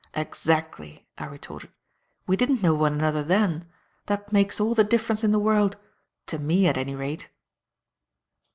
"Exactly," I retorted. "We didn't know one another then. That makes all the difference in the world to me, at any rate."